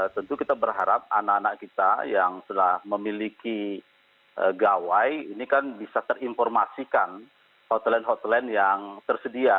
tentu kita berharap anak anak kita yang sudah memiliki gawai ini kan bisa terinformasikan hotline hotline yang tersedia